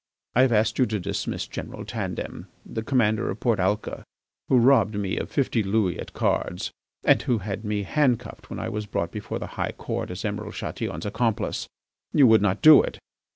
I have asked you to dismiss General Tandem, the commander of Port Alca, who robbed me of fifty louis at cards, and who had me handcuffed when I was brought before the High Court as Emiral Chatillon's accomplice. You would not do it.